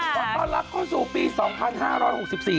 วันวันลักค่อยสู่ปี๒๕๖๔